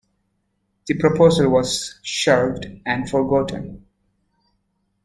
The proposal was shelved and forgotten.